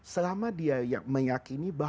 selama dia meyakini